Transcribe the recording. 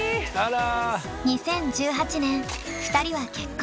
２０１８年２人は結婚。